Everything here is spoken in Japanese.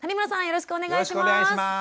よろしくお願いします。